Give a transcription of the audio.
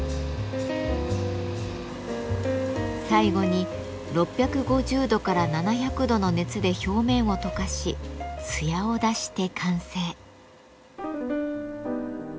最後に６５０度から７００度の熱で表面を溶かし艶を出して完成。